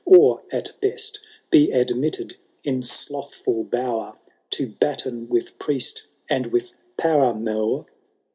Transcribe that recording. Or, at best, be admitted in slothful bower To batten with priest and with paramour